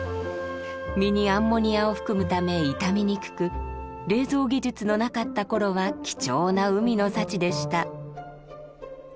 身にアンモニアを含むため傷みにくく冷蔵技術のなかった頃は貴重な海の幸でした。